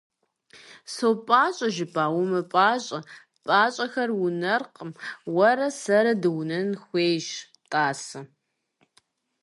«СопӀащӀэ» жыпӀа? УмыпӀащӀэ. ПӀащӀэхэр унэркъым, уэрэ сэрэ дыунэн хуейщ, тӀасэ…